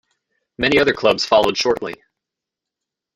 Many other clubs followed shortly.